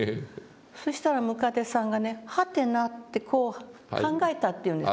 そしたらムカデさんがね「はてな？」ってこう考えたっていうんです。